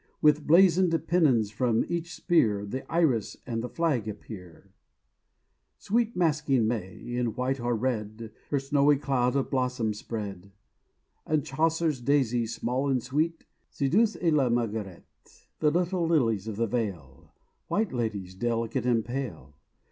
With blazoned pennons from each spear The Iris and the Flag appear: Sweet masking May, in white or red, Her snowy cloud of blossom spread: And Chaucer's Daisy, small and sweet— "Si douce est la Margarete." The little Lilies of the Vale, White ladies delicate and pale.